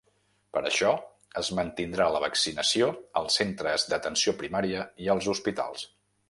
Per això, es mantindrà la vaccinació als centres d’atenció primària i als hospitals.